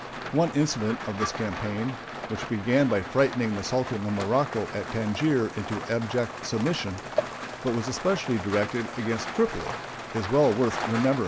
One incident of this campaign, which began by frightening the Sultan of Morocco at Tangier into abject submission, but was especially directed against Tripoli, is well worth remembering.